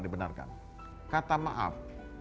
dibenarkan kata maaf